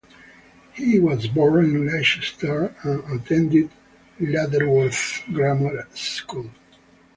He was born in Leicester and attended Lutterworth Grammar School.